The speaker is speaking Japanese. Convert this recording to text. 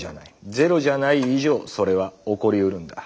ゼロじゃない以上それは起こりうるんだ。